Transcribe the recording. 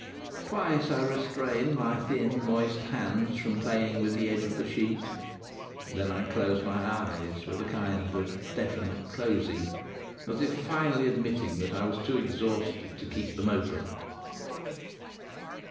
Twice I restrained my thin, moist hands from playing with the edge of the sheet. Then I closed my eyes with a kind of definite closing, as if finally admitting that I was too exhausted to keep them open.